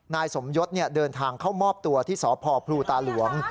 นายสมยศเดินทางเข้ามอบตัวที่สพพลูตาหลวง